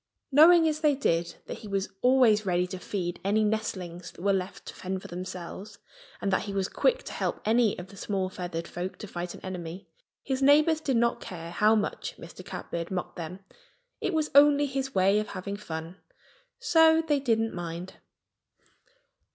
Knowing as they did that he was always ready to feed any nestlings that were left to fend for themselves, and that he was quick to help any of the small feathered folk to fight an enemy, his neighbors did not care how much Mr. Catbird mocked them. It was only his way of having fun; so they didn't mind.